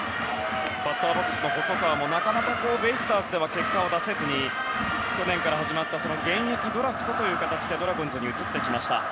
バッターボックスの細川もなかなかベイスターズでは結果を出せずに去年から始まった現役ドラフトという形でドラゴンズに移ってきました。